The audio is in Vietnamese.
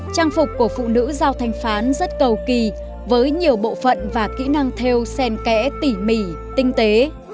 trang phục của phụ nữ giao thanh phán rất cầu kỳ với nhiều bộ phận và kỹ năng theo sen kẽ tỉ mỉ tinh tế